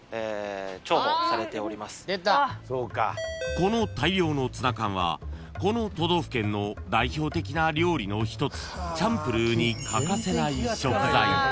［この大量のツナ缶はこの都道府県の代表的な料理の一つチャンプルーに欠かせない食材］